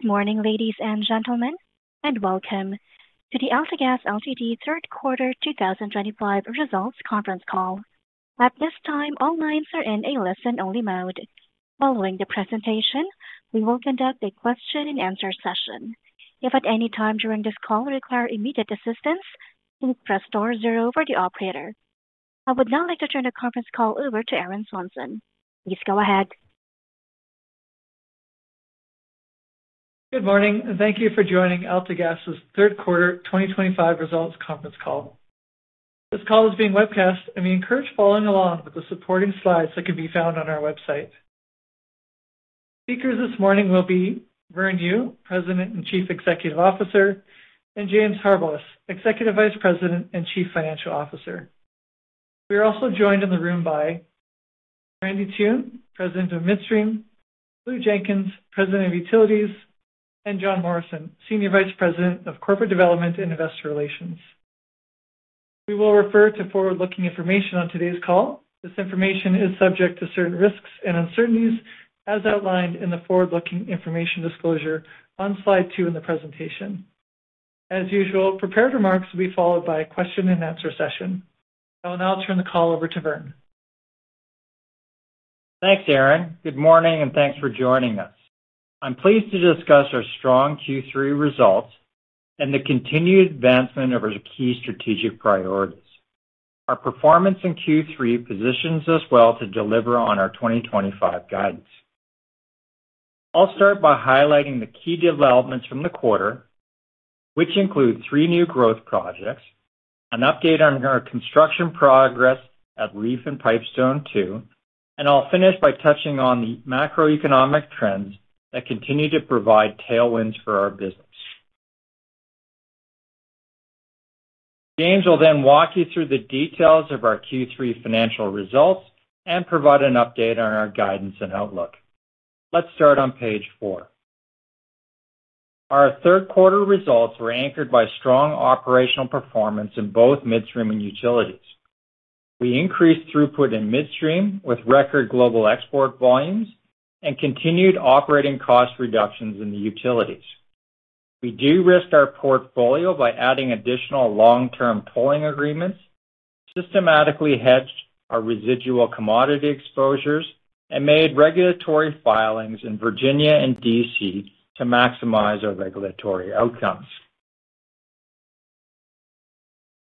Good morning, ladies and gentlemen, and welcome to the AltaGas Ltd third quarter 2025 results conference call. At this time, all lines are in a listen-only mode. Following the presentation, we will conduct a question and answer session. If at any time during this call you require immediate assistance, press star zero for the operator. I would now like to turn the conference call over to Aaron Swanson. Please go ahead. Good morning and thank you for joining AltaGas third quarter 2025 results conference call. This call is being webcast and we encourage following along with the supporting slides that can be found on our website. Speakers this morning will be Vern Yu, President and Chief Executive Officer, and James Harbilas, Executive Vice President and Chief Financial Officer. We are also joined in the room by Randy Toone, President, Midstream, Blue Jenkins, President, Utilities, and Jon Morrison, Senior Vice President, Corporate Development and Investor Relations. We will refer to forward looking information on today's call. This information is subject to certain risks and uncertainties as outlined in the Forward Looking Information disclosure on slide 2 in the presentation. As usual, prepared remarks will be followed by a question and answer session. I will now turn the call over to Vern. Thanks Aaron. Good morning and thanks for joining us. I'm pleased to discuss our strong Q3 results and the continued advancement of our key strategic priorities. Our performance in Q3 positions us well to deliver on our 2025 guidance. I'll start by highlighting the key developments from the quarter, which include three new growth projects, an update on our construction progress at REEF and Pipestone II, and I'll finish by touching on the macroeconomic trends that continue to provide tailwinds for our business. James will then walk you through the details of our Q3 financial results and provide an update on our guidance and outlook. Let's start on page four. Our third quarter results were anchored by strong operational performance in both Midstream and Utilities. We increased throughput in Midstream with record global export volumes and continued operating cost reductions in the Utilities. We de-risked our portfolio by adding additional long-term pooling agreements, systematically hedged our residual commodity exposures, and made regulatory filings in Virginia and D.C. to maximize our regulatory outcomes.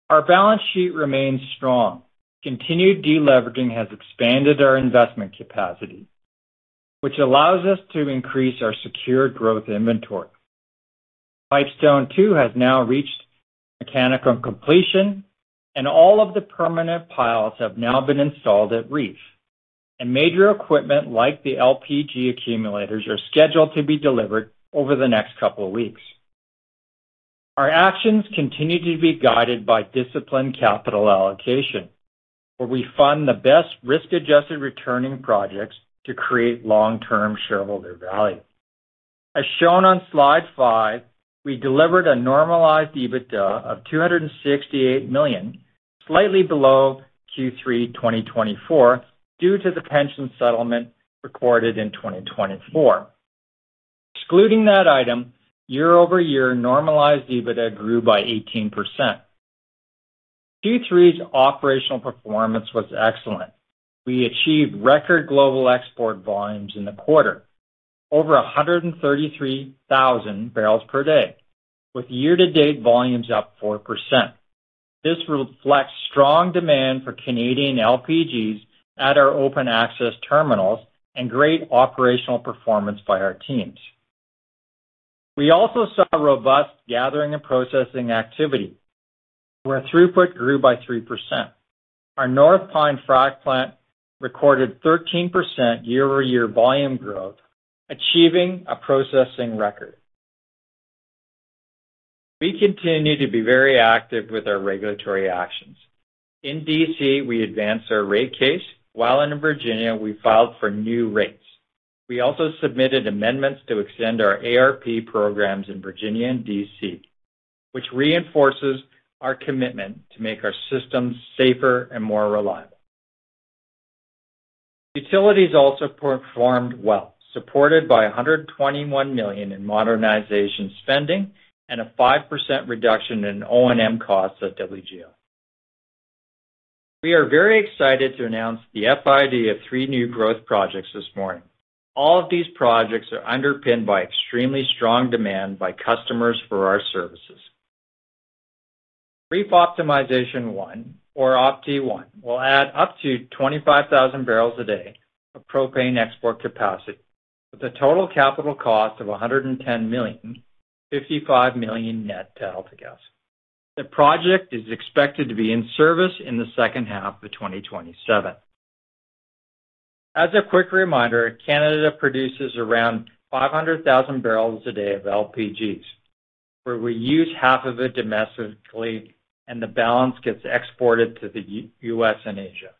Our balance sheet remains strong. Continued deleveraging has expanded our investment capacity, which allows us to increase our secured growth inventory. Pipestone II has now reached mechanical completion and all of the permanent piles have now been installed at REEF, and major equipment like the LPG accumulators are scheduled to be delivered over the next couple of weeks. Our actions continue to be guided by disciplined capital allocation, where we fund the best risk-adjusted returning projects to create long-term shareholder value. As shown on Slide 5, we delivered a normalized EBITDA of $268 million, slightly below Q3 2024 due to the pension settlement recorded in 2024. Excluding that item, year over year, normalized EBITDA grew by 18%. Q3's operational performance was excellent. We achieved record global export volumes in the quarter, over 133,000 barrels per day, with year-to-date volumes up 4%. This reflects strong demand for Canadian LPG exports at our open access terminals and great operational performance by our teams. We also saw robust gathering and processing activity, where throughput grew by 3%. Our North Pine frac plant recorded 13% year-over-year volume growth, achieving a processing record. We continue to be very active with our regulatory actions. In D.C., we advanced our rate case, while in Virginia, we filed for new rates. We also submitted amendments to extend our ARP programs in Virginia and D.C., which reinforces our commitment to make our systems safer and more reliable. Utilities also performed well, supported by $121 million in modernization spending and a 5% reduction in O&M costs at WGL. We are very excited to announce the FID of three new growth projects this morning. All of these projects are underpinned by extremely strong demand by customers for our services. REEF Optimization 1, or OPTI 1, will add up to 25,000 barrels a day of propane export capacity with a total capital cost of $110 million, $55 million net to AltaGas. The project is expected to be in service in the second half of 2027. As a quick reminder, Canada produces around 500,000 barrels a day of LPG exports, where we use half of it domestically and the balance gets exported to the U.S. and Asia.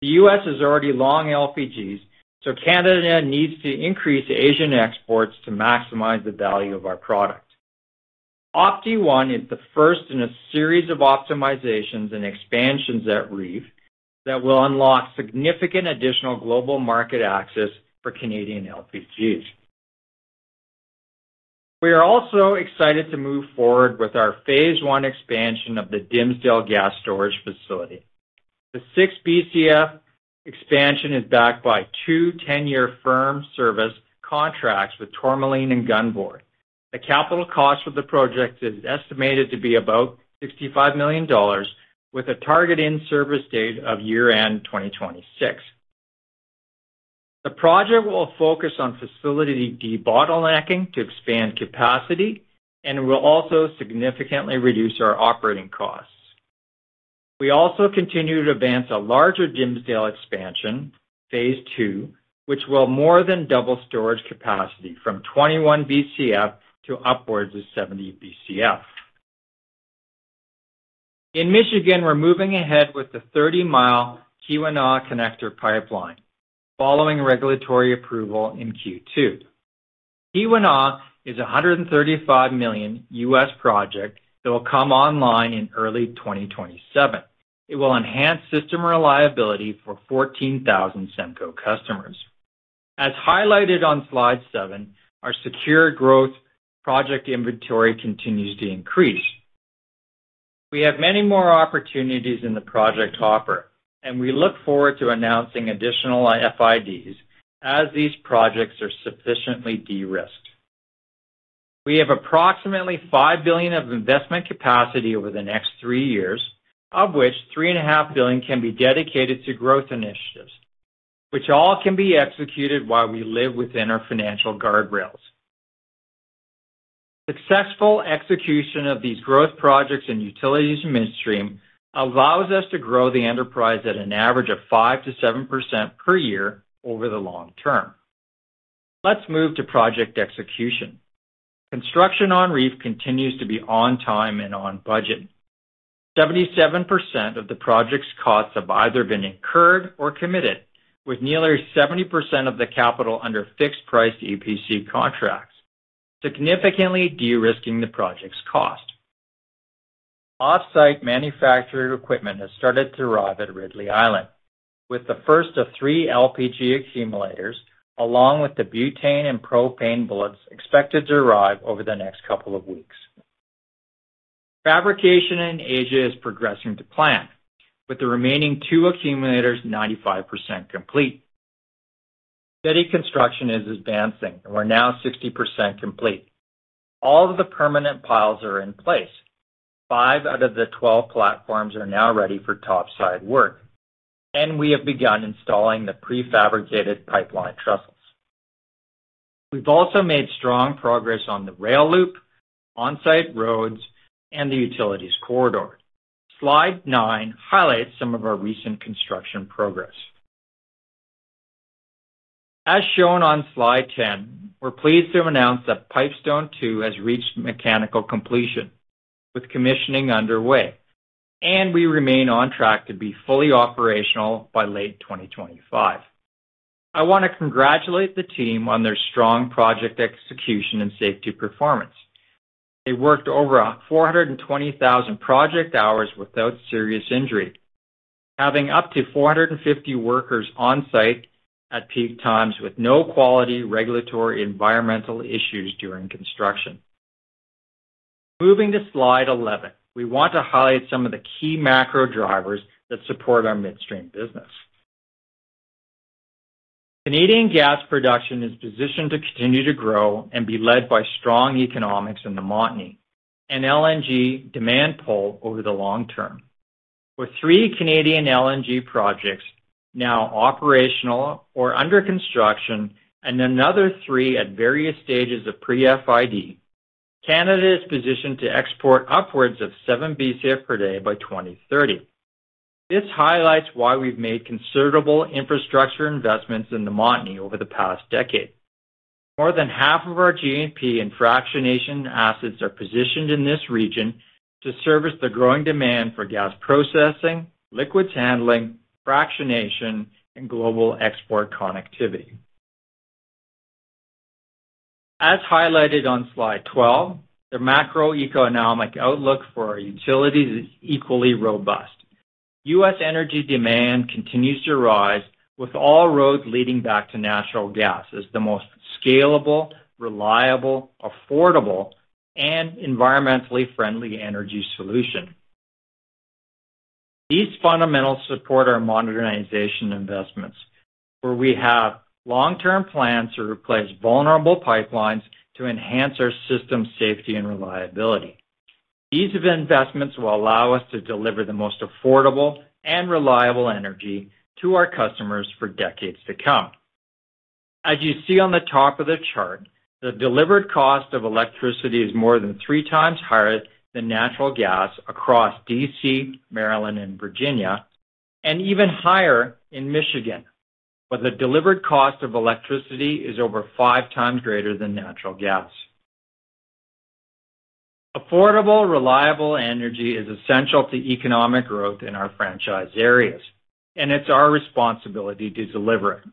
The U.S. has already long LPGs, so Canada needs to increase Asian exports to maximize the value of our product. OPTI 1 is the first in a series of optimizations and expansions at REEF that will unlock significant additional global market access for Canadian LPGs. We are also excited to move forward with our Phase 1 expansion of the Dimmesdale gas storage facility. The 6 Bcf expansion is backed by two 10-year firm service contracts with Tourmaline and Gunboard. The capital cost of the project is estimated to be about $65 million with a target in-service date of year-end 2026. The project will focus on facility debottlenecking to expand capacity and will also significantly reduce our operating costs. We also continue to advance a larger Dimmesdale expansion, Phase 2, which will more than double storage capacity from 21 Bcf to upwards of 70 Bcf in Michigan. We're moving ahead with the 30-mile Keweenaw connector pipeline following regulatory approval in Q2. It is a $135 million U.S. project that will come online in early 2027. It will enhance system reliability for 14,000 SEMCO customers. As highlighted on slide seven, our secured growth project inventory continues to increase. We have many more opportunities in the project hopper and we look forward to announcing additional FIDs as these projects are sufficiently de-risked. We have approximately $5 billion of investment capacity over the next three years, of which $3.5 billion can be dedicated to growth initiatives, which all can be executed while we live within our financial guardrails. Successful execution of these growth projects in Utilities Midstream allows us to grow the enterprise at an average of 5% to 7% per year over the long term. Let's move to project execution. Construction on REEF continues to be on time and on budget. 77% of the project's costs have either been incurred or committed, with nearly 70% of the capital under fixed-price EPC contracts, significantly de-risking the project's cost. Off-site manufacturing equipment has started to arrive at Ridley Island with the first of three LPG accumulators, along with the butane and propane bullets expected to arrive over the next couple of weeks. Fabrication in Asia is progressing to plan with the remaining two accumulators 95% complete. Steady construction is advancing and we're now 60% complete. All of the permanent piles are in place. Five out of the 12 platforms are now ready for topside work, and we have begun installing the prefabricated pipeline trussels. We've also made strong progress on the rail loop, on-site roads, and the utilities corridor. Slide 9 highlights some of our recent construction progress. As shown on Slide 10, we're pleased to announce that Pipestone II has reached mechanical completion with commissioning underway, and we remain on track to be fully operational by late 2025. I want to congratulate the team on their strong project execution and safety performance. They worked over 420,000 project hours without serious injury, having up to 450 workers on site at peak times with no quality, regulatory, or environmental issues during construction. Moving to Slide 11, we want to highlight some of the key macro drivers that support our Midstream business. Canadian gas production is positioned to continue to grow and be led by strong economics in the Montney LNG demand pull over the long term. With three Canadian LNG projects now operational or under construction and another three at various stages of pre-FID, Canada is positioned to export upwards of 7 billion cubic feet per day by 2030. This highlights why we've made considerable infrastructure investments in the Montney over the past decade. More than half of our GNP and fractionation assets are positioned in this region to service the growing demand for gas processing, liquids handling, fractionation, and global export connectivity. As highlighted on Slide 12, the macroeconomic outlook for our Utilities is equally robust. U.S. energy demand continues to rise, with all roads leading back to natural gas as the most scalable, reliable, affordable, and environmentally friendly energy solution. These fundamentals support our modernization investments, where we have long-term plans to replace vulnerable pipelines to enhance our system safety and reliability. These investments will allow us to deliver the most affordable and reliable energy to our customers for decades to come. As you see on the top of the chart, the delivered cost of electricity is more than three times higher than natural gas across D.C., Maryland, and Virginia, and even higher in Michigan, where the delivered cost of electricity is over five times greater than natural gas. Affordable, reliable energy is essential to economic growth in our franchise areas, and it's our responsibility to deliver it.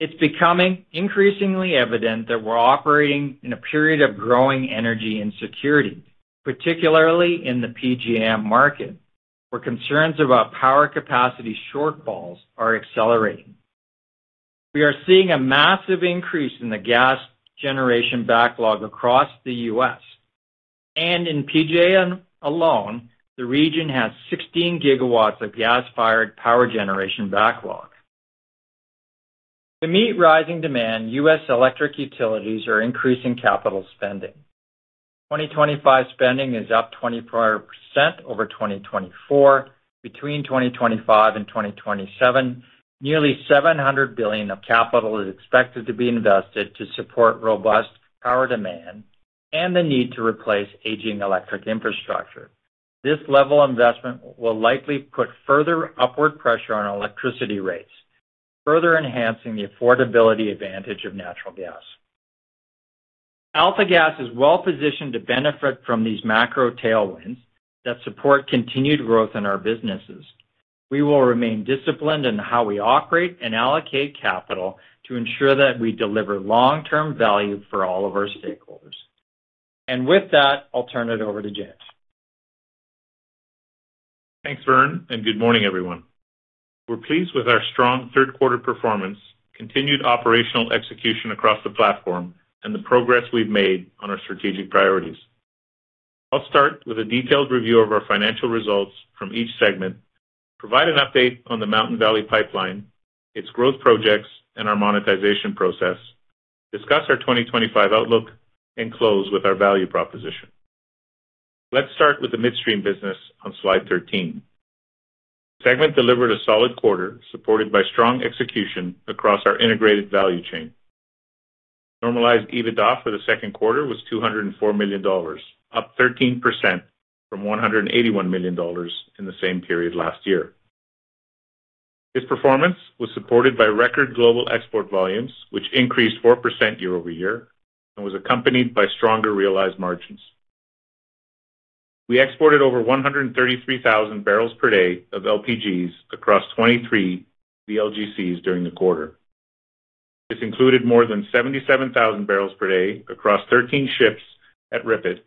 It's becoming increasingly evident that we're operating in a period of growing energy insecurity, particularly in the PJM market, where concerns about power capacity shortfalls are accelerating. We are seeing a massive increase in the gas generation backlog across the U.S., and in PJM alone, the region has 16 gigawatts of gas-fired power generation backlog. To meet rising demand, U.S. electric utilities are increasing capital spending. 2025 spending is up 24% over 2024. Between 2025 and 2027, nearly $700 billion of capital is expected to be invested to support robust power demand and the need to replace aging electric infrastructure. This level of investment will likely put further upward pressure on electricity rates, further enhancing the affordability advantage of natural gas. AltaGas is well positioned to benefit from these macro tailwinds that support continued growth in our businesses. We will remain disciplined in how we operate and allocate capital to ensure that we deliver long-term value for all of our stakeholders. With that, I'll turn it over to James. Thanks Vern and good morning everyone. We're pleased with our strong third quarter performance, continued operational execution across the platform, and the progress we've made on our strategic priorities. I'll start with a detailed review of our financial results from each segment, provide an update on the Mountain Valley Pipeline, its growth projects and our monetization process, discuss our 2025 outlook, and close with our value proposition. Let's start with the Midstream business. On Slide 13, the segment delivered a solid quarter supported by strong execution across our integrated value chain. Normalized EBITDA for the second quarter was $204 million, up 13% from $181 million in the same period last year. This performance was supported by record global export volumes, which increased 4% year over year and was accompanied by stronger realized margins. We exported over 133,000 barrels per day of LPGs across 23 VLGCs during the quarter. This included more than 77,000 barrels per day across 13 ships at RipID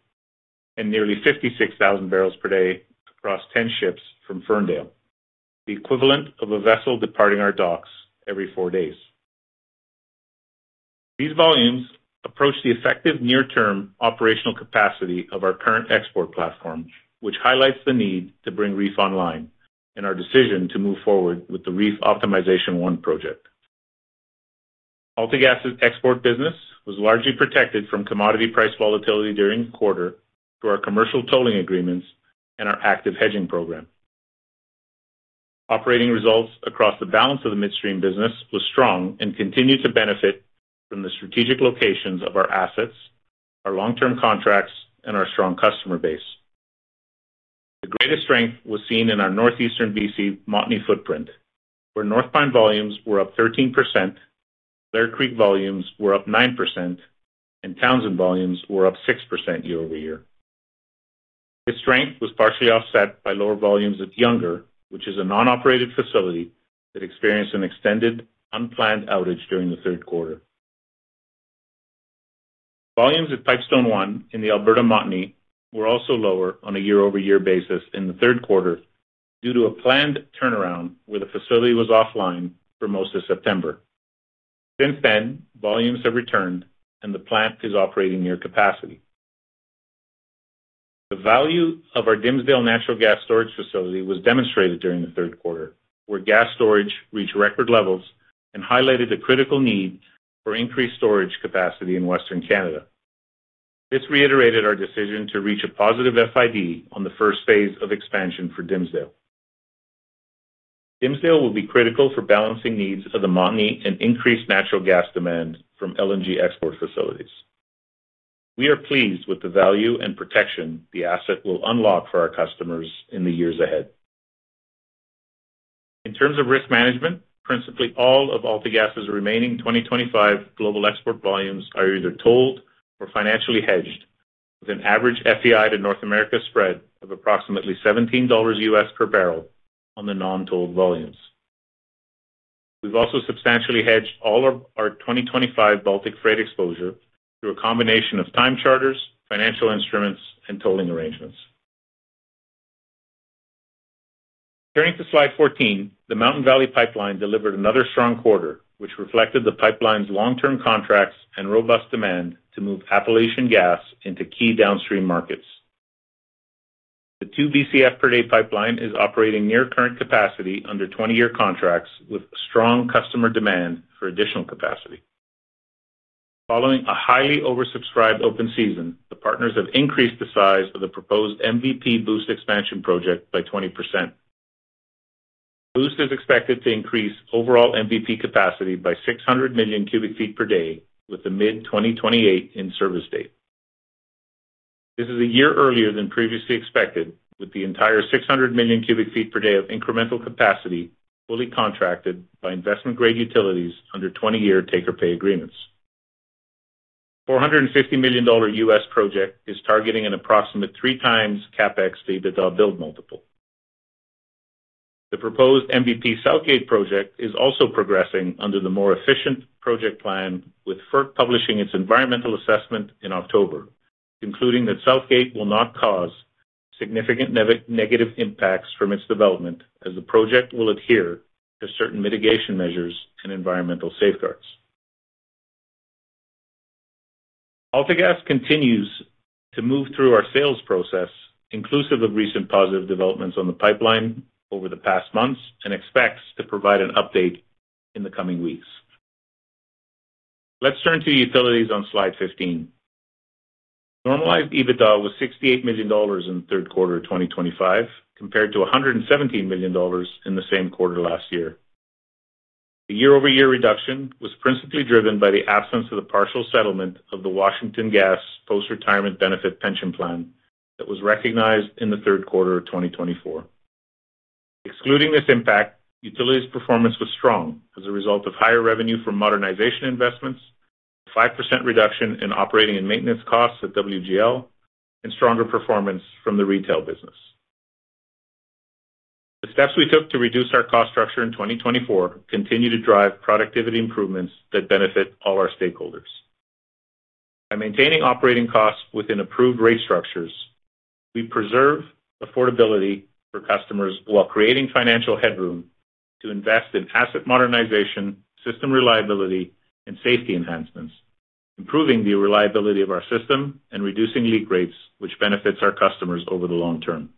and nearly 56,000 barrels per day across 10 ships from Ferndale, the equivalent of a vessel departing our docks every four days. These volumes approach the effective near-term operational capacity of our current export platform, which highlights the need to bring REEF online and our decision to move forward with the REEF Optimization 1 project. AltaGas export business was largely protected from commodity price volatility during the quarter through our commercial tolling agreements and our active hedging program. Operating results across the balance of the midstream business were strong and continued to benefit from the strategic locations of our assets, our long-term contracts, and our strong customer base. The greatest strength was seen in our northeastern B.C montney footprint, where North Pine volumes were up 13%, Blair Creek volumes were up 9%, and Townsend volumes were up 6% year over year. This strength was partially offset by lower volumes at Younger, which is a non-operated facility that experienced an extended unplanned outage during the third quarter. Volumes at Pipestone 1 in the Alberta Montney were also lower on a year-over-year basis in the third quarter due to a planned turnaround where the facility was offline for most of September. Since then, volumes have returned and the plant is operating near capacity. The value of our Dimmesdale natural gas storage facility was demonstrated during the third quarter, where gas storage reached record levels and highlighted a critical need for increased storage capacity in Western Canada. This reiterated our decision to reach a positive FID on the first phase of expansion for Dimmesdale. Dimmesdale will be critical for balancing needs of the Montney and increased natural gas demand from LNG export facilities. We are pleased with the value and protection the asset will unlock for our customers in the years ahead in terms of risk management. Principally, all of AltaGas' remaining 2025 global export volumes are either tolled or financially hedged with an average FEI to North America spread of approximately $17 US per barrel on the non-tolled volumes. We've also substantially hedged all of our 2025 Baltic freight exposure through a combination of time charters, financial instruments, and tolling arrangements. Turning to Slide 14, the Mountain Valley Pipeline delivered another strong quarter, which reflected the pipeline's long-term contracts and robust demand to move Appalachian gas into key downstream markets. The 2 BCF per day pipeline is operating near current capacity under 20-year contracts, with strong customer demand for additional capacity following a highly oversubscribed open season. The partners have increased the size of the proposed MVP Boost expansion project by 20%. Boost is expected to increase overall MVP capacity by 600 million cubic feet per day, with the mid-2028 in-service date. This is a year earlier than previously expected, with the entire 600 million cubic feet per day of incremental capacity fully contracted by investment grade utilities under 20-year take-or-pay agreements. The $450 million US project is targeting an approximate three times CapEx to EBITDA build multiple. The proposed MVP Southgate project is also progressing under the more efficient project plan, with FERC publishing its environmental assessment in October, concluding that Southgate will not cause significant negative impacts from its development as the project will adhere to certain mitigation measures and environmental safeguards. AltaGas continues to move through our sales process, inclusive of recent positive developments on the pipeline over the past months, and expects to provide an update in the coming weeks. Let's turn to utilities on Slide 15. Normalized EBITDA was $68 million in third quarter 2025 compared to $117 million in the same quarter last year. The year-over-year reduction was principally driven by the absence of the partial settlement of the Washington Gas Post Retirement Benefit Pension Plan that was recognized in the third quarter of 2024. Excluding this impact, utilities performance was strong as a result of higher revenue from modernization investments, 5% reduction in operating and maintenance costs at WGL, and stronger performance from the retail business. The steps we took to reduce our cost structure in 2024 continue to drive productivity improvements that benefit all our stakeholders. By maintaining operating costs within approved rate structures, we preserve affordability for customers while creating financial headroom to invest in asset modernization, system reliability, and safety enhancements, improving the reliability of our system and reducing leak rates, which benefits our customers over the long term.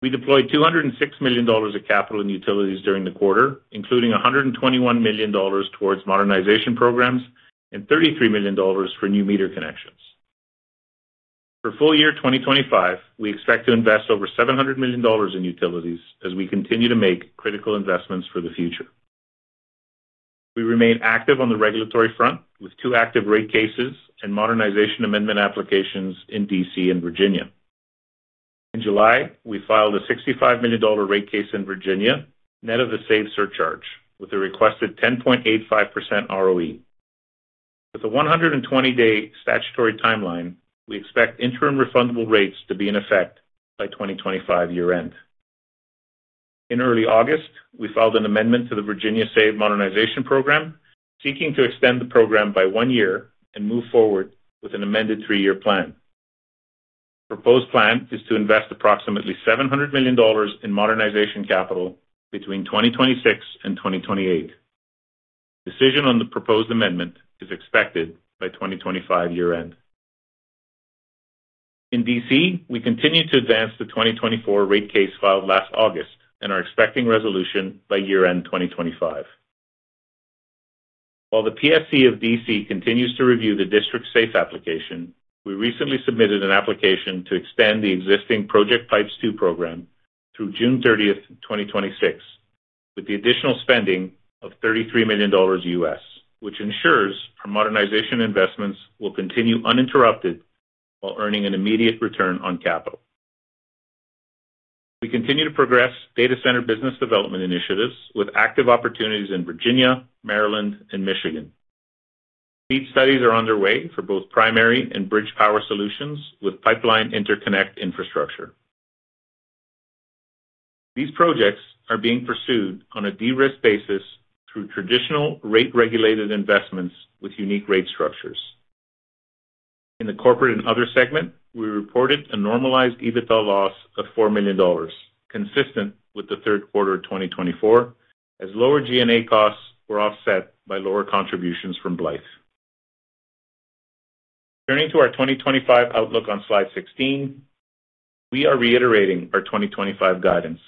We deployed $206 million of capital in utilities during the quarter, including $121 million towards modernization programs and $33 million for new meter connections. For full year 2025, we expect to invest over $700 million in utilities as we continue to make critical investments for the future. We remain active on the regulatory front with two active rate cases and modernization amendment applications in D.C. and Virginia. In July, we filed a $65 million rate case in Virginia net of a SAVE surcharge with a requested 10.85% ROE. With a 120-day statutory timeline, we expect interim refundable rates to be in effect by 2025 year end. In early August, we filed an amendment to the Virginia SAVE Modernization Program seeking to extend the program by one year and move forward with an amended three-year plan. Proposed plan is to invest approximately $700 million in modernization capital between 2026 and 2028. Decision on the proposed amendment is expected by 2025 year end. In D.C., we continue to advance the 2024 rate case filed last August and are expecting resolution by year end 2025 while the PSC of D.C. continues to review the District SAFE application. We recently submitted an application to extend the existing PROJECTpipes 2 programs through June 30, 2026, with the additional spending of $33 million USD, which ensures our modernization investments will continue uninterrupted while earning an immediate return on capital. We continue to progress data center business development initiatives with active opportunities in Virginia, Maryland, and Michigan. Seed studies are underway for both primary and bridge power solutions with pipeline interconnect infrastructure. These projects are being pursued on a de-risk basis through traditional rate-regulated investments with unique rate structures in the Corporate and Other segment. We reported a normalized EBITDA loss of $4 million, consistent with the third quarter 2024, as lower G&A costs were offset by lower contributions from Blythe. Turning to our 2025 outlook on Slide 16, we are reiterating our 2025 guidance.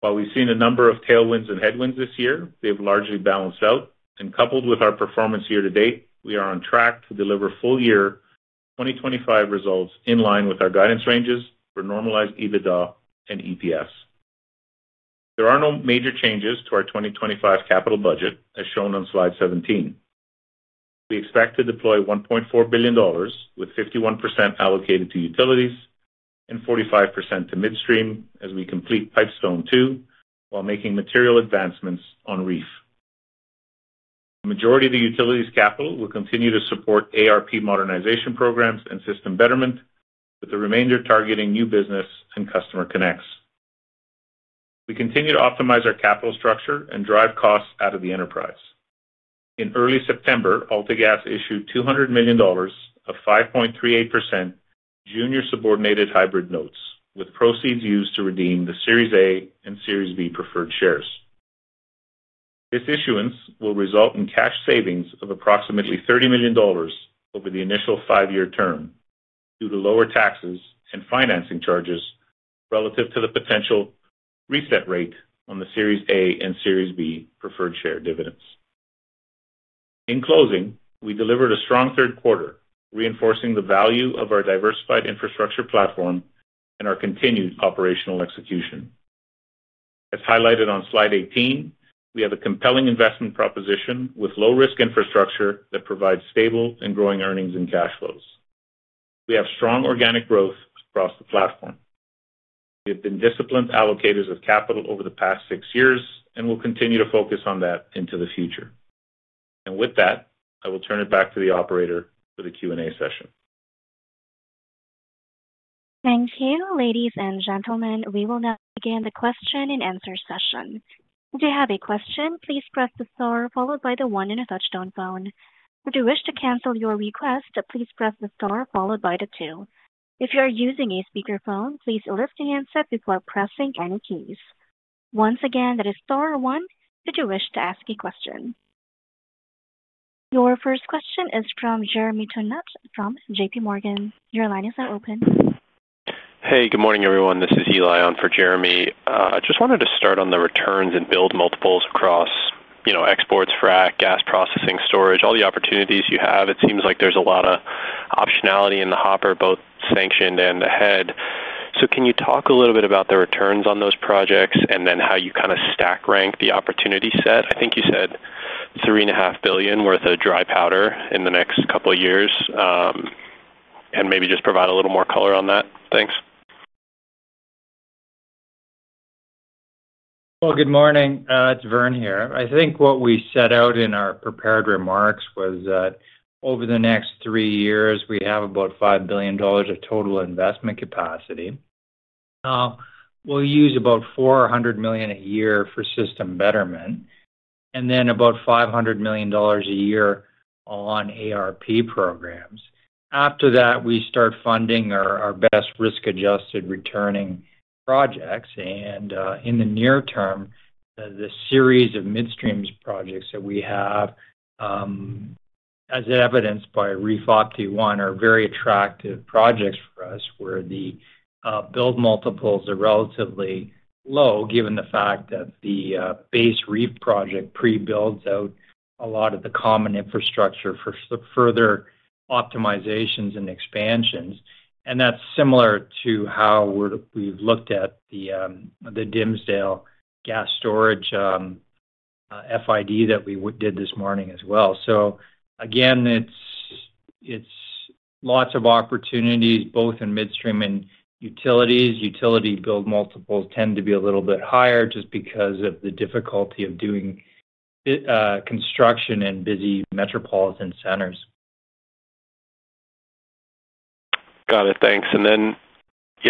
While we've seen a number of tailwinds and headwinds this year, they've largely balanced out, and coupled with our performance year to date, we are on track to deliver full year 2025 results in line with our guidance ranges for normalized EBITDA and EPS. There are no major changes to our 2025 capital budget as shown on Slide 17. We expect to deploy $1.4 billion, with 51% allocated to utilities and 45% to midstream as we complete Pipestone II while making material advancements on REEF. The majority of the utilities capital will continue to support ARP modernization programs and system betterment, with the remainder targeting new business and customer connects. We continue to optimize our capital structure and drive costs out of the enterprise. In early September, AltaGas issued $200 million of 5.38% junior subordinated hybrid notes, with proceeds used to redeem the Series A and Series B preferred shares. This issuance will result in cash savings of approximately $30 million over the initial five-year term due to lower taxes and financing charges relative to the potential reset rate on the Series A and Series B preferred share dividends. In closing, we delivered a strong third quarter, reinforcing the value of our diversified infrastructure platform and our continued operational execution. As highlighted on Slide 18, we have a compelling investment proposition with low-risk infrastructure that provides stable and growing earnings and cash flows. We have strong organic growth across the platform. We have been disciplined allocators of capital over the past six years, and we will continue to focus on that into the future. With that, I will turn it back to the operator for the Q&A session. Thank you, ladies and gentlemen. We will now begin the question and answer session. If you have a question, please press the star followed by the one on a Touchstone phone. If you wish to cancel your request, please press the star followed by the two. If you are using a speakerphone, please lift the handset before pressing any keys. Once again, that is star one if you wish to ask a question. Your first question is from Jeremy Tonant from JPMorgan Chase & Co. Your line is now open. Hey, good morning everyone. This is Elias Max Jossen on for Jeremy. I just wanted to start on the returns and build multiples across, you know, exports, frac gas processing, storage, all the opportunities you have. It seems like there's a lot of optionality in the hopper, both sanctioned and ahead. Can you talk a little bit about the returns on those projects and then how you kind of stack rank the opportunity set? I think you said $3.5 billion worth of dry powder in the next couple years and maybe just provide a little more color on that. Thanks. Good morning, it's Vern here. I think what we set out in our prepared remarks was that over the next three years we have about $5 billion of total investment capacity. We'll use about $400 million a year for system betterment and then about $500 million a year on ARP programs. After that, we start funding our best risk-adjusted returning projects. In the near term, the series of midstream projects that we have as evidenced by REEF Optimization 1, are very attractive projects for us where the build multiples are relatively low, given the fact that the base REEF project pre-builds out a lot of the common infrastructure for further optimizations and expansions. That is similar to how we've looked at the Dimmesdale gas storage FID that we did this morning as well. It is lots of opportunities both in midstream and utilities. Utility build multiples tend to be a little bit higher just because of the difficulty of doing construction in busy metropolitan centers. Got it, thanks.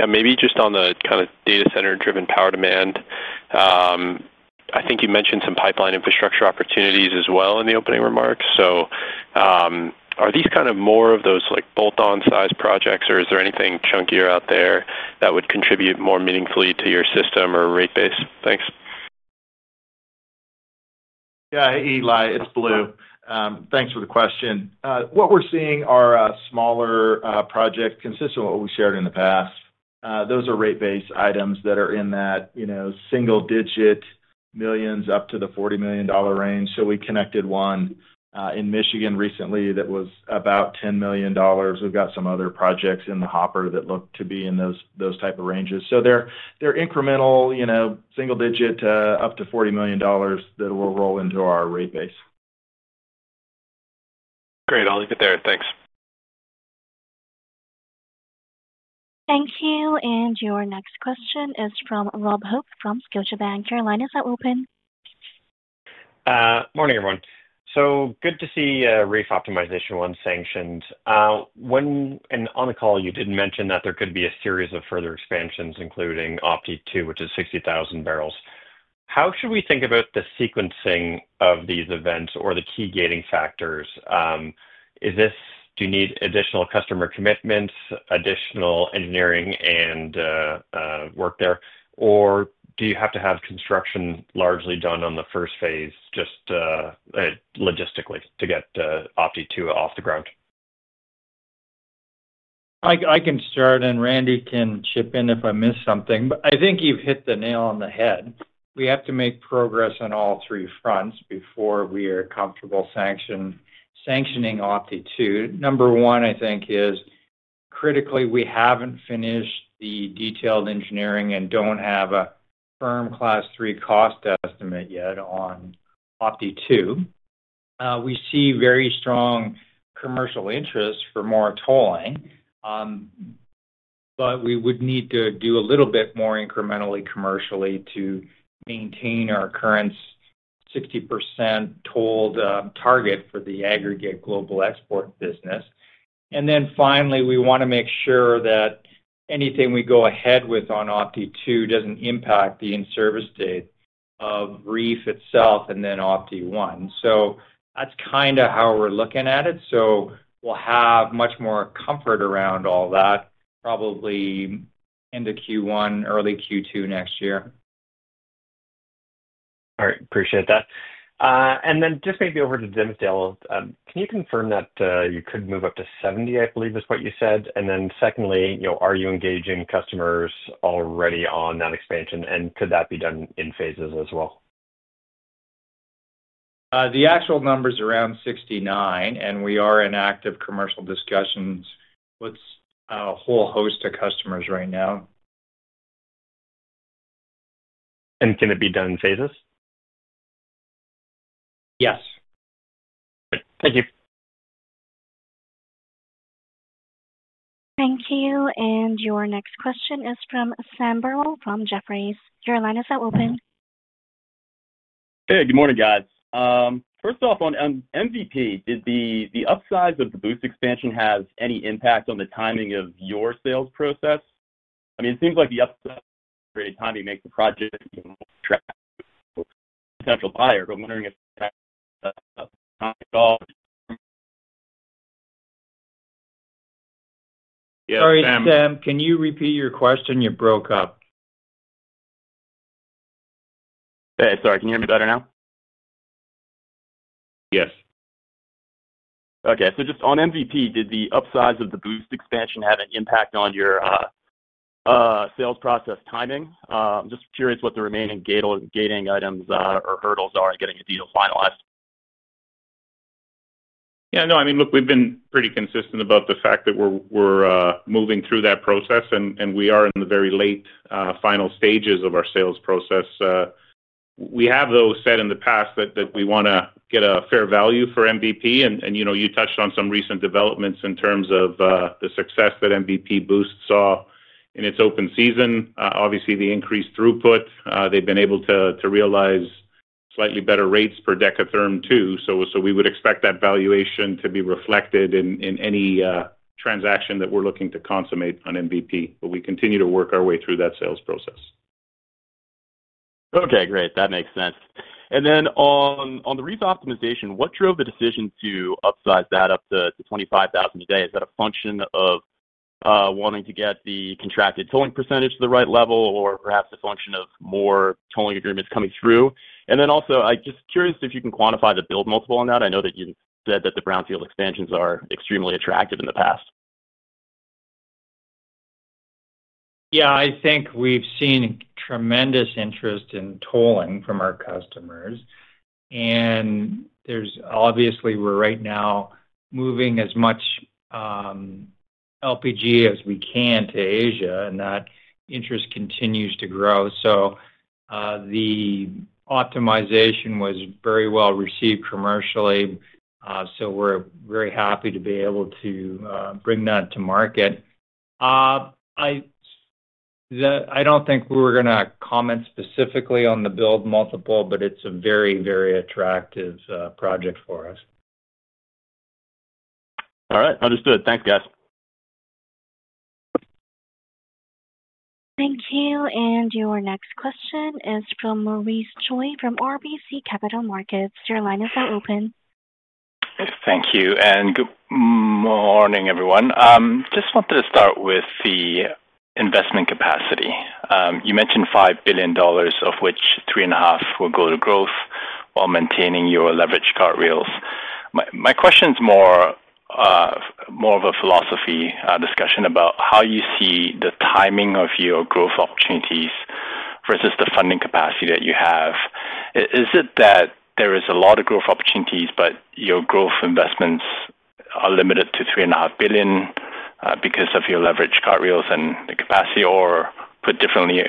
Maybe just on the kind of data center driven power demand. I think you mentioned some pipeline infrastructure opportunities as well in the opening remarks. Are these kind of more of those like bolt on size projects, or is there anything chunkier out there that would contribute more meaningfully to your system or rate base? Thanks. Yeah, Eli, it's Blue. Thanks for the question. What we're seeing are smaller projects consistent with what we shared in the past. Those are rate base items that are in that single digit millions up to the $40 million range. We connected one in Michigan recently that was about $10 million. We've got some other projects in the hopper that look to be in those type of ranges. They're incremental single digit up to $40 million that will roll into our rate base. Great, I'll leave it there. Thanks. Thank you. Your next question is from Rob Hope from Scotiabank. Your line is open. Morning everyone. Good to see REEF Optimization 1 sanctioned. On the call you did mention that there could be a series of further expansions including OPTI 2, which is 60,000 barrels. How should we think about the sequencing of these events or the key gating factors? Do you need additional customer commitments, additional engineering and work there, or do you have to have construction largely done on the first phase just logistically to get OPTI 2 off the ground? I can start and Randy can chip in if I miss something. I think you've hit the nail on the head. We have to make progress on all three fronts before we are comfortable sanctioning Opti 2. Number one, I think is critical. We haven't finished the detailed engineering and don't have a firm Class 3 cost estimate yet. On Opti 2, we see very strong commercial interest for more tolling. We would need to do a little bit more incrementally commercially to maintain our current 60% tolled target for the aggregate global export business. Finally, we want to make sure that anything we go ahead with on Opti 2 doesn't impact the in-service date of REEF itself and then Opti 1. That's kind of how we're looking at it. We'll have much more comfort around all that probably into Q1, early Q2 next year. All right, appreciate that. Maybe over to Dimmesdale. Can you confirm that you could move up to 70%, I believe is what you said. Are you engaging customers already on that expansion? Could that be done in phases as well? The actual numbers are around 69. We are in active commercial discussions with a whole host of customers right now. Can it be done in phases? Yes. Thank you. Thank you. Your next question is from Sam Burwell from Jefferies. Your line is now open. Hey, good morning, guys. First off, on MVP, did the upside of the Boost expansion have any impact on the timing of your sales process? I mean, it seems like the upgraded time you make the project potential buyer. I'm wondering if, Sorry, Sam, can you repeat your question? You broke up. Hey, sorry. Can you hear me better now? Yes. Okay, just on MVP, did the upsize of the Boost expansion have an impact on your sales process timing? I'm just curious what the remaining gating items or hurdles are to getting a deal finalized. Yeah, no, I mean, look, we've been pretty consistent about the fact that we're moving through that process, and we are in the very late final stages of our sales process. We have, though, said in the past that we want to get a fair value for MVP. You touched on some recent developments in terms of the success that MVP Boost saw in its open season. Obviously, the increased throughput, they've been able to realize slightly better rates per decatherm, too. We would expect that valuation to be reflected in any transaction that we're looking to consummate on MVP. We continue to work our way through that sales process. Okay, great. That makes sense. On the REEF Optimization, what drove the decision to upsize that up to 25,000 a day? Is that a function of wanting to get the contracted tolling % to the right level? Is it perhaps a function of more tolling agreements coming through? I'm also just curious if you can quantify the build multiple on that. I know that you said that brownfield expansions are extremely attractive in the past. Yeah, I think we've seen tremendous interest in tolling from our customers. There's obviously, we're right now moving as much LPG as we can to Asia, and that interest continues to grow. The optimization was very well received commercially. We're very happy to be able to bring that to market. I don't think we were going to comment specifically on the build multiple, but it's a very, very attractive project for us. All right, understood. Thanks, guys. Thank you. Your next question is from Maurice Choy from RBC Capital Markets. Your line is now open. Thank you and good morning everyone. Just wanted to start with the investment capacity you mentioned. $5 billion of which $3.5 billion will go to growth while maintaining your leverage cartwheels. My question's more of a philosophy discussion about how you see the timing of your growth opportunities versus the funding capacity that you have. Is it that there is a lot of growth opportunities but your growth investments are limited to $3.5 billion because of your leverage cartwheels and the capacity? Or, put differently,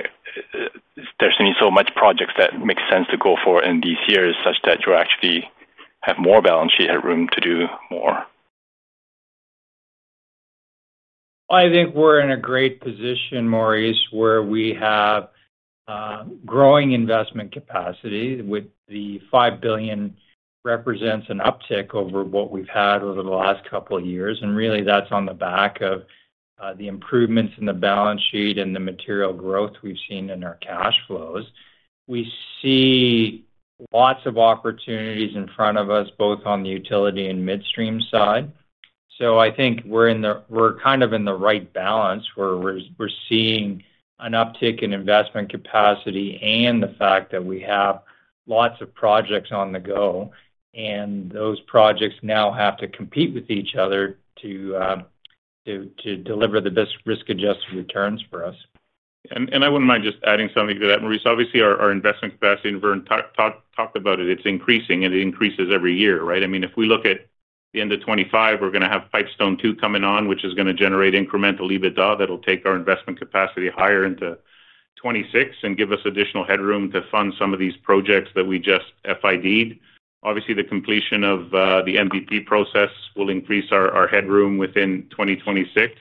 there's only so many projects that make sense to go for in these years such that you actually have more balance sheet headroom to do more. I think we're in a great position, Maurice, where we have growing investment capacity with the $5 billion represents an uptick over what we've had over the last couple of years. That's on the back of the improvements in the balance sheet and the material growth we've seen in our cash flows. We see lots of opportunities in front of us, both on the utility and midstream side. I think we're kind of in the right balance where we're seeing an uptick in investment capacity and the fact that we have lots of projects on the go and those projects now have to compete with each other to deliver the best risk-adjusted returns for us. I wouldn't mind just adding something to that, Maurice. Obviously our investment capacity, and Vern talked about it, it's increasing and it increases every year. Right? I mean if we look at the end of 2025, we're going to have Pipestone II coming on, which is going to generate incremental EBITDA that will take our investment capacity higher into 2026 and give us additional headroom to fund some of these projects that we just FID. Obviously the completion of the MVP process will increase our headroom within 2026.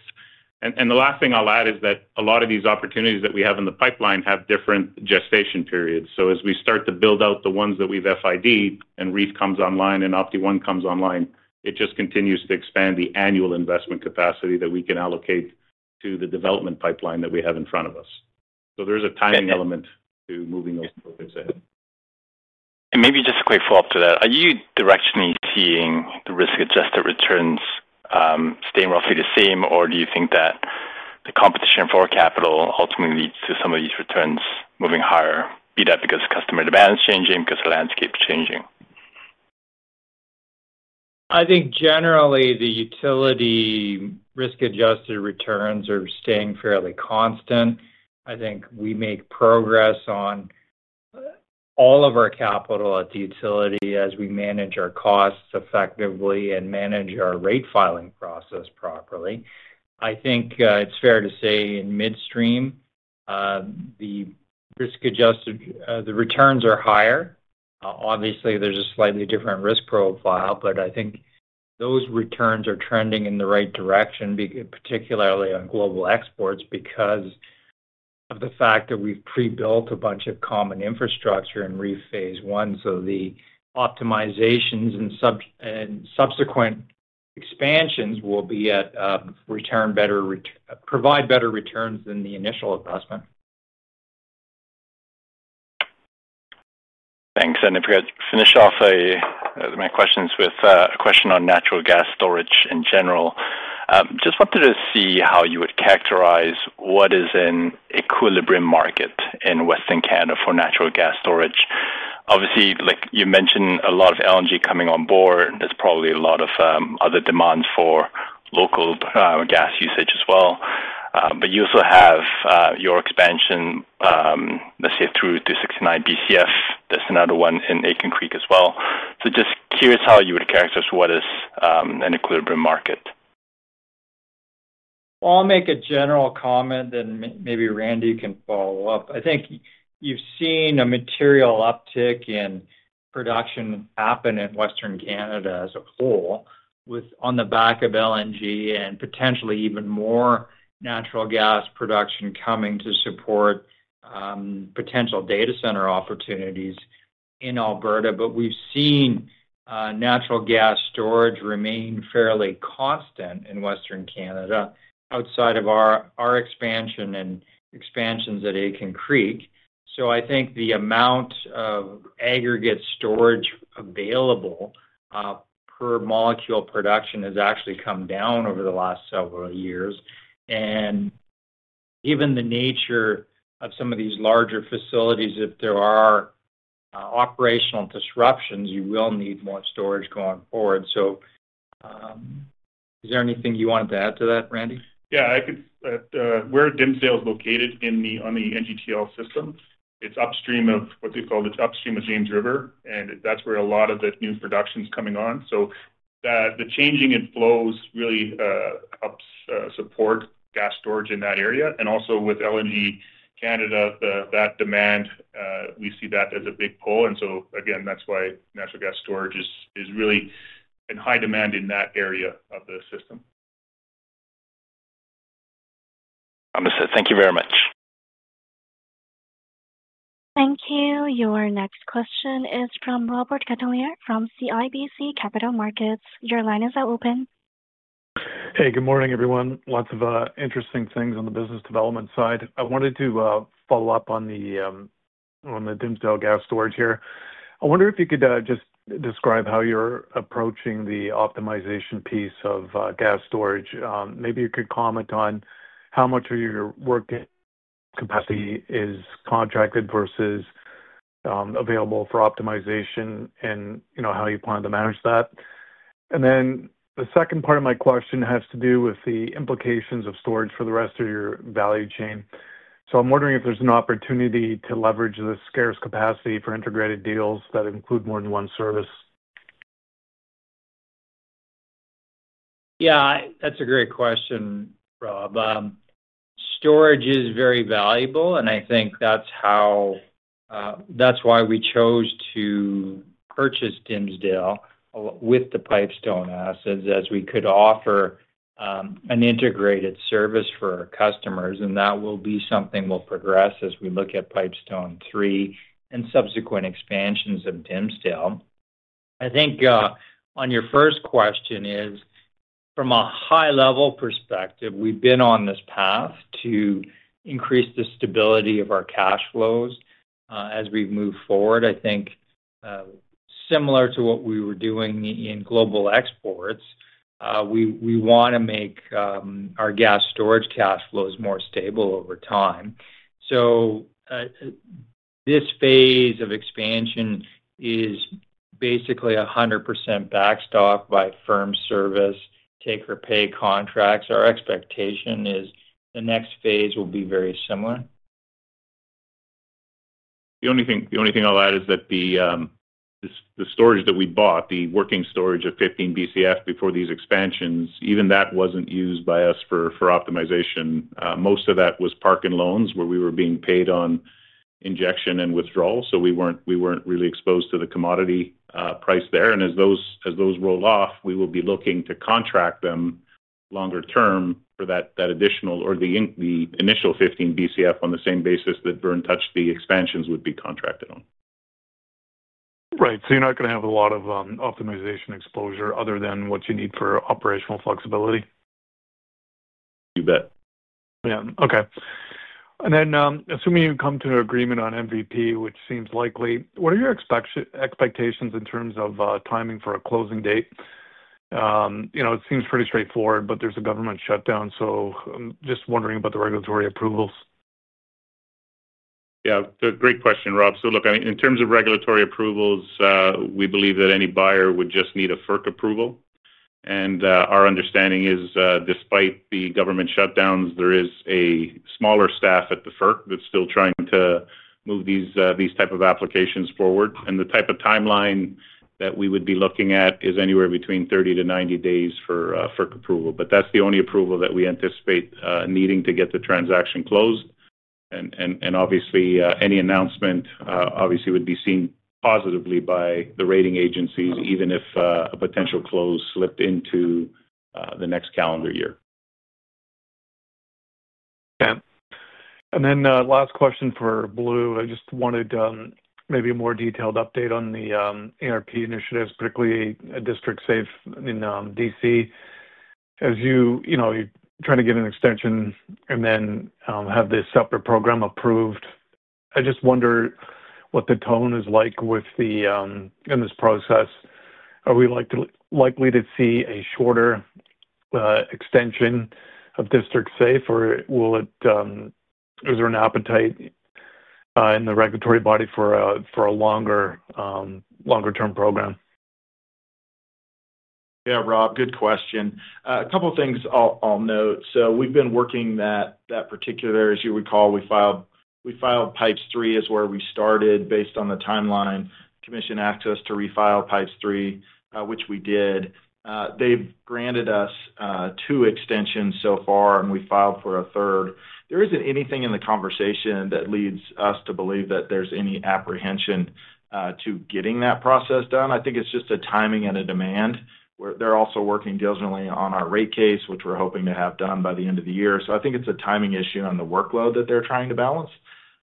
The last thing I'll add is that a lot of these opportunities that we have in the pipeline have different gestation periods. As we start to build out the ones that we've FID and REEF comes online and OPTI 1 comes online, it just continues to expand the annual investment capacity that we can allocate to the development pipeline that we have in front of us. There's a timing element to moving those projects ahead. Maybe just a quick follow up to that. Are you directionally seeing the risk-adjusted returns staying roughly the same, or do you think that the competition for capital ultimately leads to some of these returns moving higher? Be that because customer demand is changing, because the landscape is changing. I think generally the utility risk-adjusted returns are staying fairly constant. I think we make progress on all of our capital at the utility as we manage our costs effectively and manage our rate filing process properly. I think it's fair to say in midstream the risk-adjusted returns are higher. Obviously there's a slightly different risk profile, but I think those returns are trending in the right direction, particularly on global exports because of the fact that we've pre-built a bunch of common infrastructure in REEF Phase 1. All optimizations and subsequent expansions will provide better returns than the initial investment. Thanks. If we could finish off my questions with a question on natural gas storage in general. Just wanted to see how you would characterize what is an equilibrium market in Western Canada for natural gas storage. Obviously, like you mentioned, a lot of LNG coming on board. There's probably a lot of other demands for local gas usage as well. You also have your expansion, let's say through 369 BCF. There's another one in Aiken Creek as well. Just curious how you would characterize what is an equilibrium market. I'll make a general comment, then maybe Randy can follow up. I think you've seen a material uptick in production happen in Western Canada as a whole on the back of LNG and potentially even more natural gas production coming to support potential data center opportunities in Alberta. We've seen natural gas storage remain fairly constant in Western Canada outside of our expansion and expansions at Aiken Creek. I think the amount of aggregate storage available per molecule production has actually come down over the last several years. Given the nature of some of these larger facilities, if there are operational disruptions, you will need more storage going forward. Is there anything you wanted to add to that, Randy? Yeah, I could. Where Dimmesdale's located on the NGTL system, it's upstream of what they call it, upstream of James River, and that's where a lot of the new production's coming on. The changing in flows really helps support gas storage in that area. Also, with LNG Canada, that demand, we see that as a big pull. That's why natural gas storage is really in high demand in that area of the system. Thank you very much. Thank you. Your next question is from Robert Catalier from CIBC Capital Markets. Your line is now open. Hey, good morning everyone. Lots of interesting things on the business development side. I wanted to follow up on the Dimsdale gas storage here. I wonder if you could just describe how you're approaching the optimization piece of gas storage. Maybe you could comment on how much of your work capacity is contracted versus available for optimization, and you know how you plan to manage that. The second part of my question has to do with the implications of storage for the rest of your value chain. I'm wondering if there's an opportunity to leverage the scarce capacity for integrated deals that include more than one service. Yeah, that's a great question, Rob. Storage is very valuable, and I think that's why we chose to purchase Dimmesdale with the Pipestone assets, as we could offer an integrated service for our customers. That will be something we'll progress as we look at Pipestone 3 and subsequent expansions of Dimmesdale. I think on your first question, from a high-level perspective, we've been on this path to increase the stability of our cash flows as we move forward. I think similar to what we were doing in global exports, we want to make our gas storage cash flows more stable over time. This phase of expansion is basically 100% backstopped by firm service take-or-pay contracts. Our expectation is the next phase will be very similar. The only thing I'll add is that the storage that we bought, the working storage of 15 BCF before these expansions, even that wasn't used by us for optimization. Most of that was park and loans where we were being paid on injection and withdrawal. We weren't really exposed to the commodity price there. As those roll off, we will be looking to contract them longer term for that additional or the initial 15 BCF on the same basis that Vern Yu touched on, the expansions would be contracted on. Right. You're not going to have a lot of optimization exposure other than what you need for operational flexibility. You bet. Okay. Assuming you come to an agreement on MVP, which seems likely, what are your expectations in terms of timing for a closing date? It seems pretty straightforward, but there's a government shutdown, so just wondering about the regulatory approvals. Great question, Rob. In terms of regulatory approvals, we believe that any buyer would just need a FERC approval. Our understanding is despite the government shutdowns, there is a smaller staff at the FERC that's still trying to move these type of applications forward. The type of timeline that we would be looking at is anywhere between 30 to 90 days for FERC approval. That's the only approval that we anticipate needing to get the transaction closed. Obviously, any announcement would be seen positively by the rating agencies even if a potential close slipped into the next calendar year. Last question for Blue. I just wanted maybe a more detailed update on the ERP initiatives, particularly District Safe in D.C. as you try to get an extension and then have this separate program approved. I just wonder what the tone is like in this process. Are we likely to see a shorter extension of District Safe, or is there an appetite in the regulatory body for a longer term program? Yeah, Rob, good question. A couple things I'll note. We've been working that particular. As you recall, we filed Pipes three is where we started based on the timeline commission access to refile Pipes three, which we did. They've granted us two extensions so far and we filed for a third. There isn't anything in the conversation that leads us to believe that there's any apprehension to getting that process done. I think it's just a timing and a demand. They're also working diligently on our rate case, which we're hoping to have done by the end of the year. I think it's a timing issue on the workload that they're trying to balance.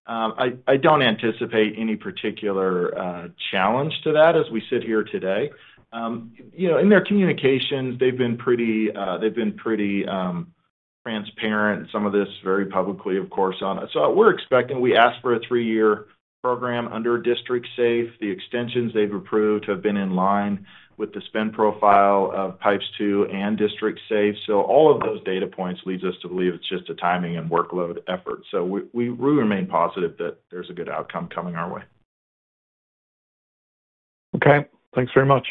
I don't anticipate any particular challenge to that as we sit here today. In their communications they've been pretty, they've been pretty transparent. Some of this very publicly of course, so we're expecting we asked for a three year program under District Safe. The extensions they've approved have been in line with the spend profile of Pipes two and District Safe. All of those data points leads us to believe it's just a timing and workload effort. We remain positive that there's a good outcome coming our way. Okay, thanks very much.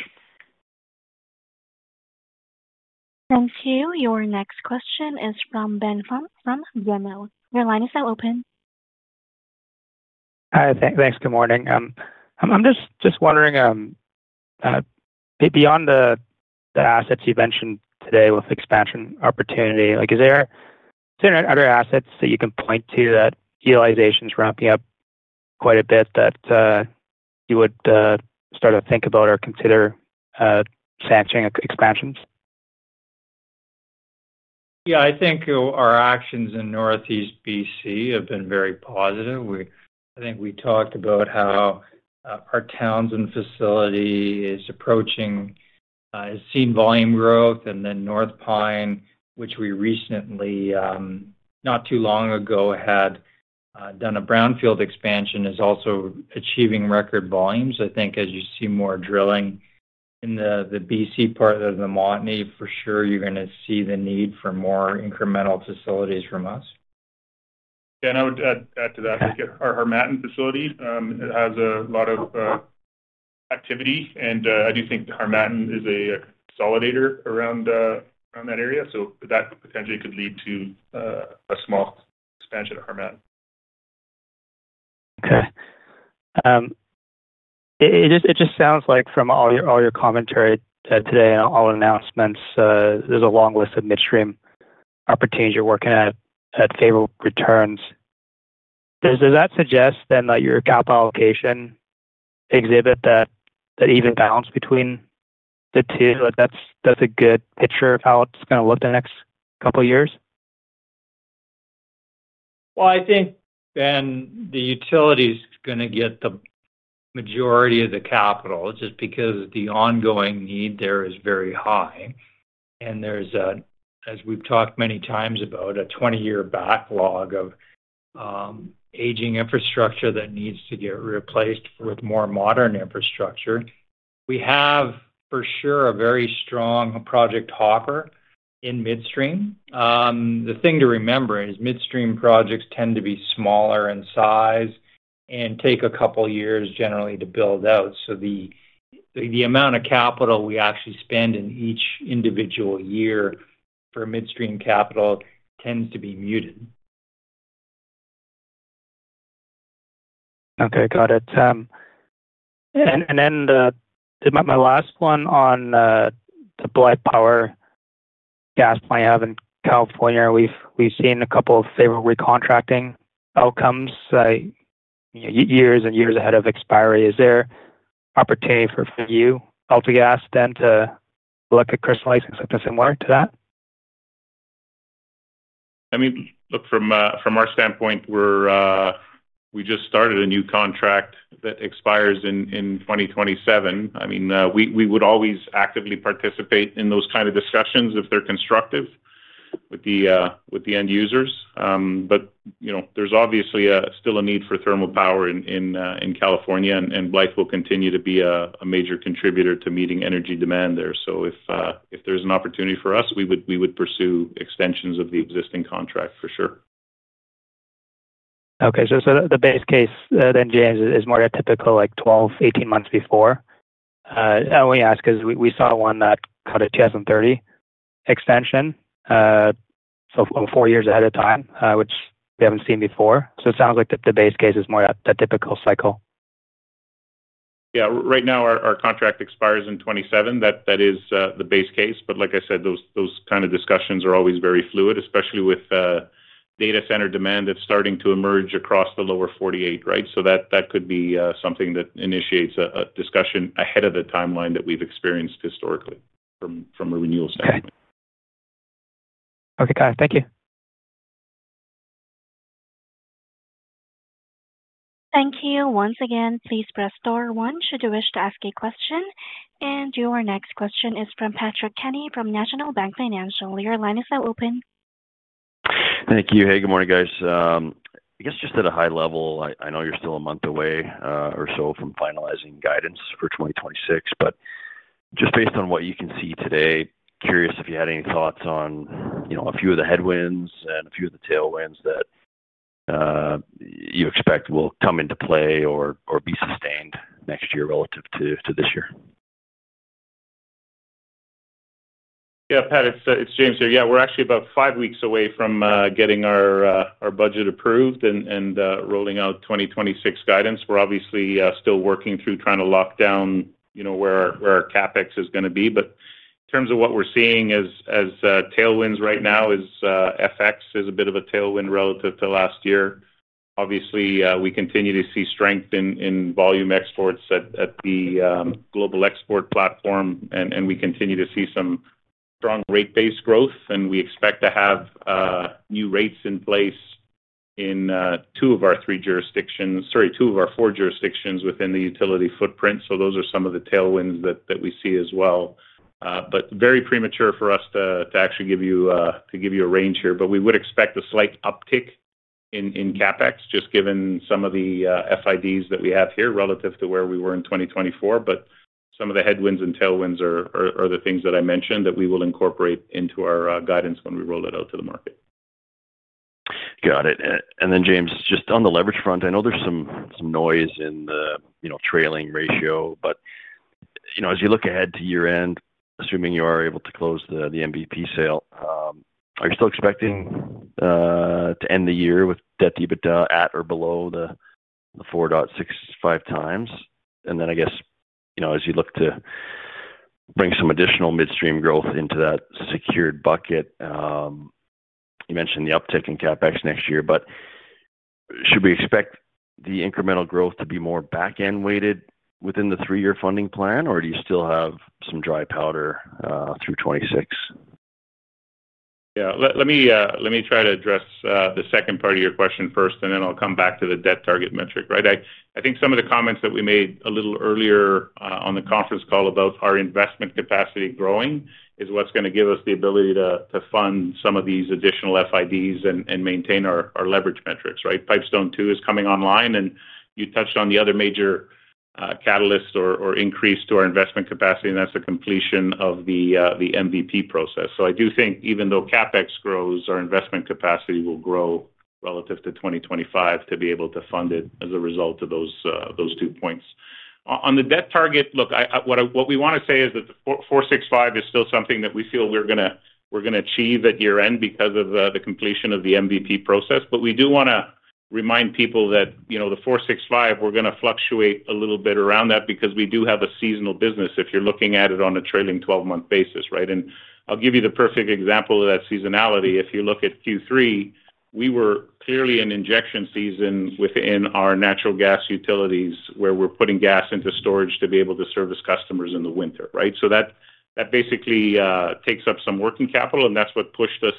Thank you. Your next question is from Benjamin Pham from BMO Capital Markets Equity Research. Your line is now open. Hi, thanks. Good morning. I'm just wondering, beyond the assets you mentioned today with expansion opportunity, is there other assets that you can point to that utilization is ramping up quite a bit that you would start to think about or consider sanctioning expansions? Yeah, I think our actions in northeast B.C. have been very positive. I think we talked about how our towns and facility is approaching has seen volume growth, and then North Pine, which we recently not too long ago had done a brownfield expansion, is also achieving record volumes. I think as you see more drilling in the B.C. part of the Montney, for sure you're going to see the need for more incremental facilities from us. I would add to that our Harmattan facility has a lot of activity, and I do think Harmattan is a consolidator around that area. That potentially could lead to a small expansion of Harmattan. Okay, it just sounds like from all your commentary today and all announcements, there's a long list of midstream opportunities you're working at at favorable returns. Does that suggest then that your capital allocation exhibit that even balance between the two? That's a good picture of how it's going to look the next couple years. I think Ben, the utility is going to get the majority of the capital just because the ongoing need there is very high. There's a, as we've talked many times about, a 20-year backlog of aging infrastructure that needs to get replaced with more modern infrastructure. We have for sure a very strong project hopper in midstream. The thing to remember is midstream projects tend to be smaller in size and take a couple years generally to build out. The amount of capital we actually spend in each individual year for midstream capital tends to be muted. Okay, got it. My last one on the Blythe power gas plant you have in California. We've seen a couple of favorable recontracting outcomes years and years ahead of expiry. Is there opportunity for you or AltaGas to look at crystallizing something similar to that? I mean, look, from our standpoint, we just started a new contract that expires in 2027. We would always actively participate in those kinds of discussions if they're constructive with the end users. There's obviously still a need for thermal power in California, and Blythe will continue to be a major, major contributor to meeting energy demand there. If there's an opportunity for us, we would pursue extensions of the existing contract for sure. Okay, so the base case then, James, is more at typical like 12, 18 months before we ask is we saw one that cut a 2030 extension, so four years ahead of time, which we haven't seen before. It sounds like the base case is more that typical cycle. Right now our contract expires in 2027. That is the base case. Like I said, those kind of discussions are always very fluid, especially with data center demand that's starting to emerge across the lower 48. That could be something that initiates a discussion ahead of the timeline that we've experienced historically from a renewal standpoint. Okay, Kai, thank you. Thank you. Once again, please press star one should you wish to ask a question. Your next question is from Patrick Kenny from National Bank Financial. Your line is now open. Thank you. Good morning, guys. I guess just at a high level, I know you're still a month away or so from finalizing guidance for 2026, but just based on what you can see today, curious if you had any thoughts on a few of the headwinds and a few of the Tailwinds that you expect will come into play or be sustained next year relative to this year? Yeah, Pat, it's James here. We're actually about five weeks away from getting our budget approved and rolling out 2026 guidance. We're obviously still working through, trying to lock down where our CapEx is going to be. In terms of what we're seeing as tailwinds right now, FX is a bit of a tailwind relative to last year, obviously. We continue to see strength in volume exports at the global export platform, and we continue to see some strong rate base growth. We expect to have new rates in place in two of our four jurisdictions within the utility footprint. Those are some of the tailwinds that we see as well. It is very premature for us to actually give you a range here. We would expect a slight uptick in CapEx just given some of the FIDs that we have here relative to where we were in 2024. Some of the headwinds and tailwinds are the things that I mentioned that we will incorporate into our guidance when we roll it out to the market. Got it. James, just on the leverage front, I know there's some noise in the trailing ratio, but as you look ahead to year end, assuming you are able to close the MVP sale, are you still expecting to end the year with debt-to-EBITDA at or below the 4.65 times? As you look to bring some additional midstream growth into that secured bucket, you mentioned the uptick in CapEx next year, but should we expect the incremental growth to be more back end weighted within the three-year funding plan, or do you still have some dry powder through 2026? Yeah, let me try to address the second part of your question first and then I'll come back to the debt target metric. I think some of the comments that we made a little earlier on the conference call about our investment capacity growing is what's going to give us the ability to fund some of these additional FIDs and maintain our leverage metrics. Pipestone II is coming online and you touched on the other major catalyst or increase to our investment capacity and that's the completion of the MVP process. I do think even though CapEx grows, our investment capacity will grow relative to 2025 to be able to fund it as a result of those two points. On the debt target, what we want to say is that the 4.65 is still something that we feel we're going to achieve at year end because of the completion of the MVP process. We do want to remind people that the 4.65, we're going to fluctuate a little bit around that because we do have a seasonal business if you're looking at it on a trailing twelve month basis. I'll give you the perfect example of that seasonality. If you look at Q3, we were clearly in injection season within our natural gas utilities where we're putting gas into storage to be able to service customers in the winter. That basically takes up some working capital and that's what pushed us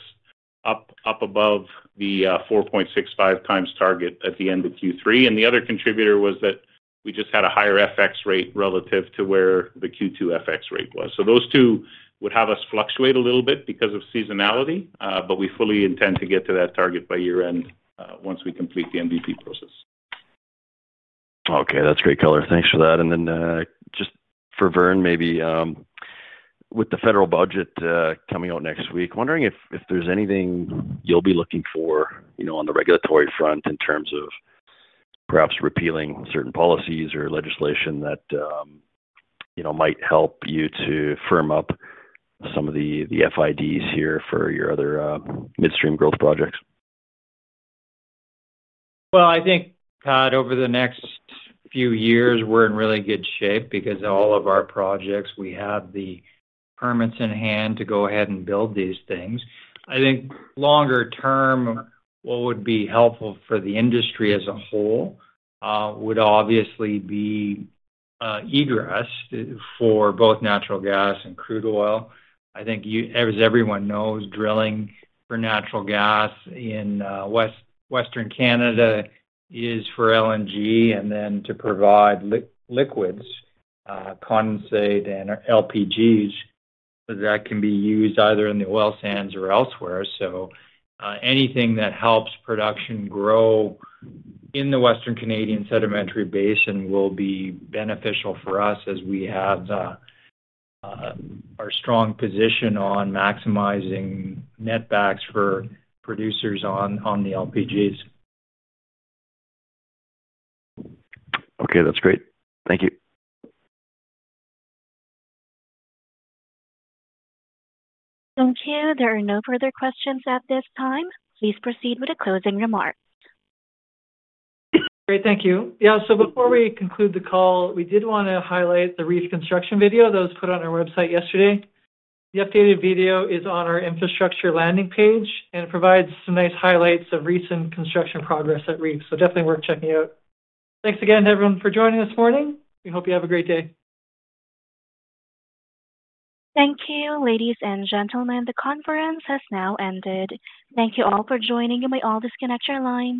up above the 4.65 times target at the end of Q3. The other contributor was that we just had a higher FX rate relative to where the Q2 FX rate was. Those two would have us fluctuate a little bit because of season. We fully intend to get to that target by year end once we complete the MVP process. Okay, that's great color. Thanks for that. For Vern, maybe with the federal budget coming out next week, wondering if there's anything you'll be looking on the regulatory front in terms of perhaps repealing certain policies or legislation that might help you to firm up some of the FIDs here for your other midstream growth projects. I think, Todd, over the next few years we're in really good shape because all of our projects, we have the permits in hand to go ahead and build these things. I think longer term, what would be helpful for the industry as a whole would obviously be egress for both natural gas and crude oil. I think, as everyone knows, drilling for natural gas in Western Canada is for LNG and then to provide liquids, condensate, and LPGs that can be used either in the oil sands or elsewhere. Anything that helps production grow in the Western Canadian Sedimentary Basin will be beneficial for us as we have our strong position on maximizing netbacks for producers on the LPGs. Okay, that's great. Thank you. Thank you. There are no further questions at this time. Please proceed with a closing remark. Great. Thank you. Before we conclude the call, we did want to highlight the REEF construction video that was put on our website yesterday. The updated video is on our infrastructure landing page, and it provides some nice highlights of recent construction progress at REEF. Definitely worth checking out. Thanks again, everyone, for joining us this morning. We hope you have a great day. Thank you. Ladies and gentlemen, the conference has now ended. Thank you all for joining in. I will disconnect your line.